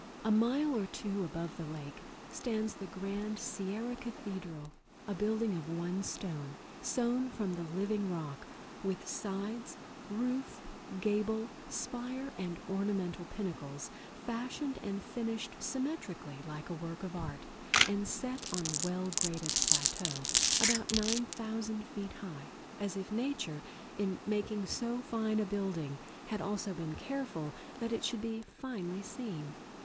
A mile or two above the lake stands the grand Sierra Cathedral, a building of one stone, sewn from the living rock, with sides, roof, gable, spire and ornamental pinnacles, fashioned and finished symmetrically like a work of art, and set on a well graded plateau about 9000 feet high, as if Nature in making so fine a building had also been careful that it should be finely seen.